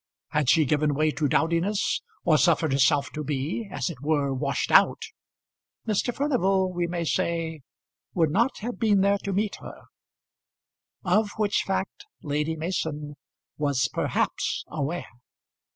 Had she given way to dowdiness, or suffered herself to be, as it were, washed out, Mr. Furnival, we may say, would not have been there to meet her; of which fact Lady Mason was perhaps aware.